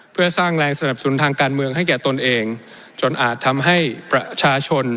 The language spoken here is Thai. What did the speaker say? เพื่อสร้างแรงสนับสนุนทางการเมืองให้แก่ตนเองจนอาจทำให้ประชาชน